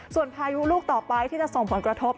ส่วนพายุลูกต่อไปที่จะส่งผลกระทบ